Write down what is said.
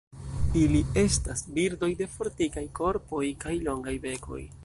Ili estas birdoj de fortikaj korpoj kaj longaj bekoj.